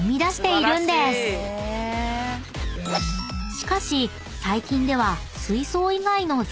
［しかし最近では］